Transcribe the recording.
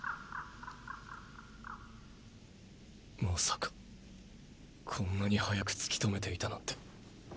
まさかこんなに早く突き止めていたなんて。